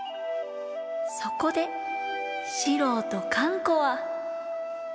そこで四郎とかん子は。